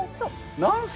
何歳？